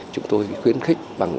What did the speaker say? chúng tôi khuyến khích bằng